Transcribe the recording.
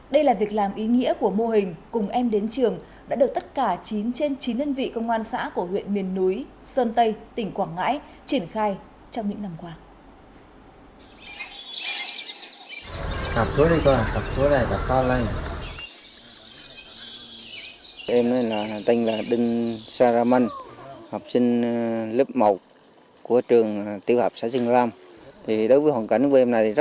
đây là việc làm ý nghĩa của mô hình cùng em đến trường đã được tất cả chín trên chín nhân vị công an xã của huyện miền núi sơn tây tỉnh quảng ngãi triển khai trong những năm qua